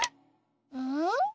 うん？